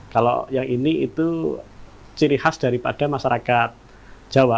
kalau yang ini itu ciri khas daripada masyarakat jawa